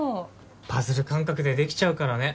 パズル感覚でできちゃうからね。